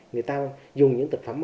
người ta dùng những thực phẩm